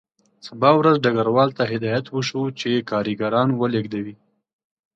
سبا ورځ ډګروال ته هدایت وشو چې کارګران ولېږدوي